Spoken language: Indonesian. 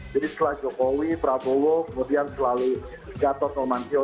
jadi setelah jokowi prabowo kemudian selalu gatot nurmantio